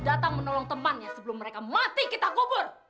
datang menolong temannya sebelum mereka mati kita gubur